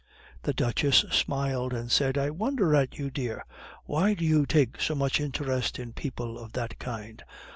The Duchess smiled and said: "I wonder at you, dear. Why do you take so much interest in people of that kind?